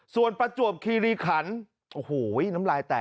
ส่วนประจวบคีรีขัน